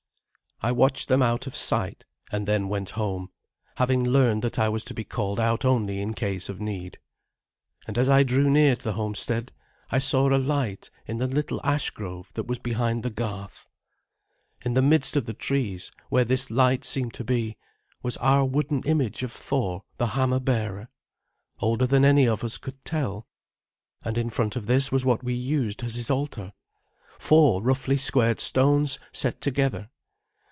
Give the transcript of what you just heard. I watched them out of sight, and then went home, having learned that I was to be called out only in case of need. And as I drew near the homestead I saw a light in the little ash grove that was behind the garth. In the midst of the trees, where this light seemed to be, was our wooden image of Thor the Hammer Bearer, older than any of us could tell; and in front of this was what we used as his altar four roughly squared stones set together.